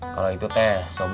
kalau itu teh sob